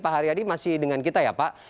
pak haryadi masih dengan kita ya pak